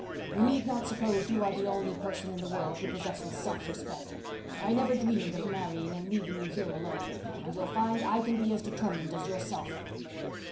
You need not suppose you are the only person in the world who possesses self respect. I never dreamed of marrying and leaving you here alone. And you'll find I can be as determined as yourself."